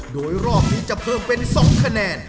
โดยรอบนี้จะเพิ่มเป็น๒คะแนน